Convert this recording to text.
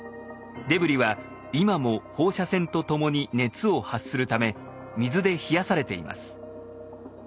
デブリは今も放射線とともに熱を発するため水で冷やされています。